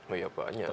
oh ya banyak